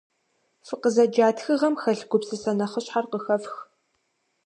Фыкъызэджа тхыгъэм хэлъ гупсысэ нэхъыщхьэр къыхэфх.